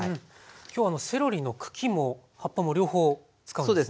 今日セロリの茎も葉っぱも両方使うんですね。